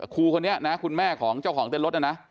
ครูคนนี้นะคุณแม่ของเจ้าของเต้นรถนะนะ